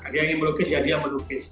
dia ingin melukis ya dia melukis